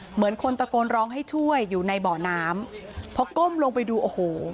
เหมือนคนตะโกนร้องให้ช่วยอยู่ในบ่อน้ำพอก้มลงไปดูโอ้โห